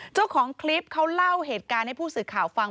เจ้าของคลิปเขาเล่าเหตุการณ์ให้ผู้สื่อข่าวฟัง